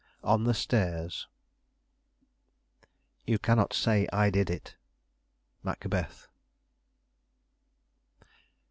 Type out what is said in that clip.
ON THE STAIRS "You cannot say I did it." Macbeth.